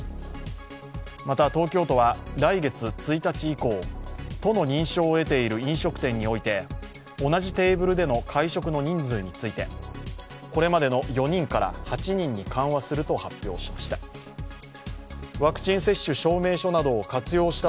また、東京都は来月１日以降、都の認証を得ている飲食店において同じテーブルでの会食の人数についてこれまでの４人から８人に緩和すると発表しました。